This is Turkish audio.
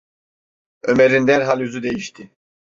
Ömer’in derhal yüzü değişti.